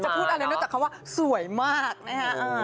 พูดอะไรนอกจากคำว่าสวยมากนะฮะ